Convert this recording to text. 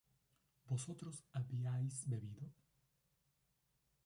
vosotros habíais bebido